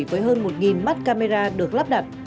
với hơn một mắt camera được lắp đặt